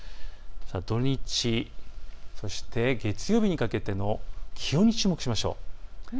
土日、そして月曜日にかけても気温に注目しましょう。